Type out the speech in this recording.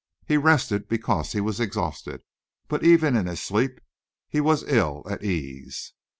He rested because he was exhausted, but even in his sleep he was ill at ease.